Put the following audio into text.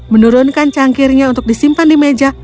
menurunkan cangkirnya untuk disimpan di meja untuk berbunyi